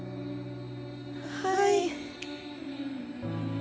はい。